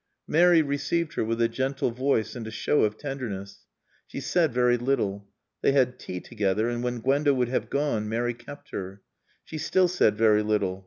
Mary received her with a gentle voice and a show of tenderness. She said very little. They had tea together, and when Gwenda would have gone Mary kept her. She still said very little.